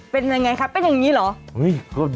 เป็นยังไงครับเป็นอย่างนี้เหรอ